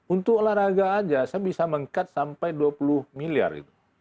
untuk olahraga saja saya bisa meng cut sampai dua puluh miliar